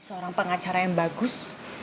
seorang pengacara yang bagus